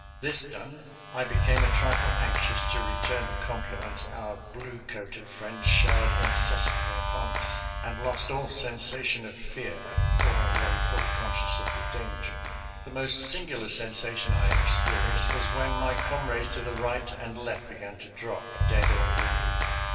This done, I became a trifle anxious to return the compliments our blue coated friends showered incessantly upon us, and lost all sensation of fear, although fully conscious of the danger. The most singular sensation I experienced was when my comrades to the right and left began to drop, dead or wounded.